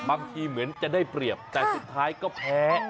บางทีเหมือนจะได้เปรียบแต่สุดท้ายก็แพ้